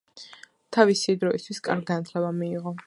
თავისი დროისთვის კარგი განათლება მიიღო.